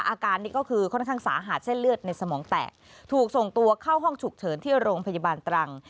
อาการนี้ก็คือค่อนข้างสาหัสเส้นเลือดในสมองแตกถูกส่งตัวเข้าห้องฉุกเฉินที่โรงพยาบาลตรัง